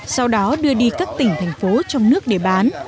sau đó đưa đi các tỉnh thành phố trong nước để bán